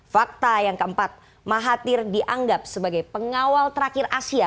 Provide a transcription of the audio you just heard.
fakta yang keempat mahathir dianggap sebagai pengawal terakhir asia